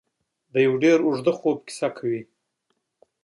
د یو ډېر اوږده خوب کیسه کوي.